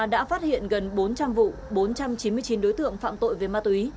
đã phát hiện gần bốn trăm linh vụ bốn trăm chín mươi chín đối tượng phạm tội về ma túy